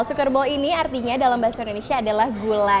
sukerbol ini artinya dalam bahasa indonesia adalah gula